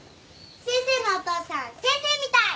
先生のお父さん先生みたい。